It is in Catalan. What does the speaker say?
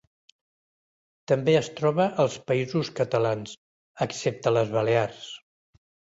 També es troba als Països Catalans, excepte les Balears.